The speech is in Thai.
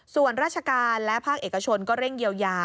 ส่วนราชการและภาคเอกชนก็เร่งเยียวยา